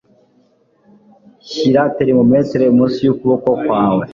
Shyira termometero munsi yukuboko kwawe.